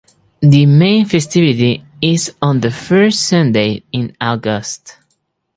The main festivity is on the first Sunday in August.